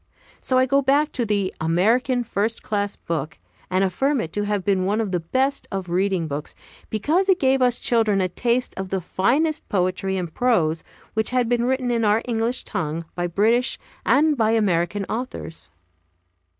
So I go back to the "American First Class Book," and affirm it to have been one of the best of reading books, because it gave us children a taste of the finest poetry and prose which had been written in our English tongue, by British and by American authors.